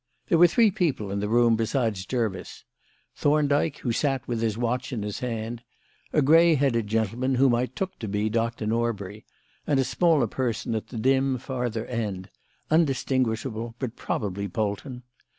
There were three people in the room besides Jervis: Thorndyke, who sat with his watch in his hand, a grey headed gentleman whom I took to be Dr. Norbury, and a smaller person at the dim farther end undistinguishable, but probably Polton.